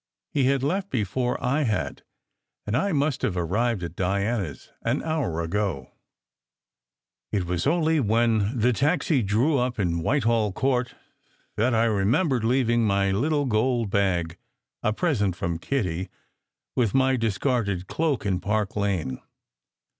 He had left before I had, and I must have arrived at Diana s an hour ago. It was only when the taxi drew up in Whitehall Court that I remembered leaving my little gold bag a present from Kitty with my discarded cloak in Park Lane.